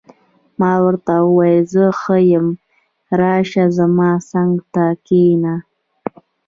ما ورته وویل: زه ښه یم، راشه، زما څنګ ته کښېنه.